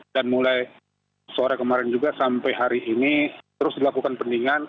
dan mulai sore kemarin juga sampai hari ini terus dilakukan pendinginan